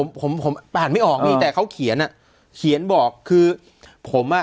ผมผมผมอ่านไม่ออกนี่แต่เขาเขียนอ่ะเขียนบอกคือผมอ่ะ